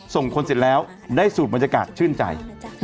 ส่งคนเสร็จแล้วได้สูตรบรรยากาศชื่นใจ